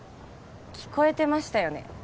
聞こえてましたよね？